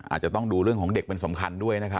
อาจจะต้องดูเรื่องของเด็กเป็นสำคัญด้วยนะครับ